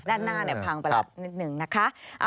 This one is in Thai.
ด้านหน้าพังไปแล้วนิดหนึ่งนะคะ